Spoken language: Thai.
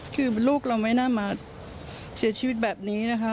คือลูกเราไม่น่ามาเสียชีวิตแบบนี้นะคะ